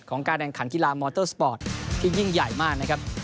ของการแข่งขันกีฬามออเตอร์สปอร์ตที่ยิ่งใหญ่มาก